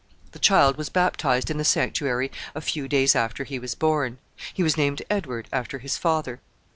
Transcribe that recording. The child was baptized in the sanctuary a few days after he was born. He was named Edward, after his father.